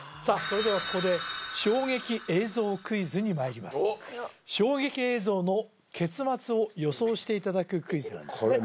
それではここで衝撃映像クイズにまいります衝撃映像の結末を予想していただくクイズなんですね